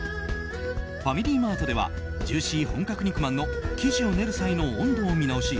ファミリーマートではジューシー本格肉まんの生地を練る際の温度を見直し